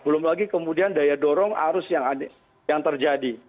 belum lagi kemudian daya dorong arus yang terjadi